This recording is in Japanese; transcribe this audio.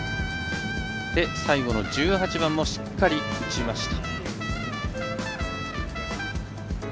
最後の１８番もしっかり打ちました。